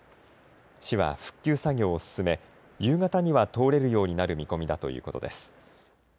市は復旧作業を進め、夕方には通れるようになる見込みだということです。